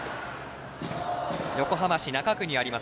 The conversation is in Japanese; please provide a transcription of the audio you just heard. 横浜市中区にあります